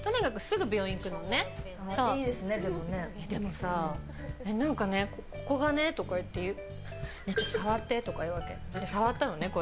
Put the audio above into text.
でも、何かここがねとか言ってちょっと触ってとか言われて触ったのね。